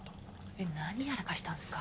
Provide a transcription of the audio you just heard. えっ何やらかしたんですか？